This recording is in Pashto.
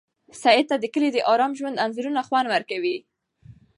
سعید ته د کلي د ارام ژوند انځورونه خوند ورکوي.